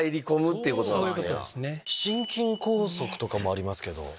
心筋梗塞とかもありますけど。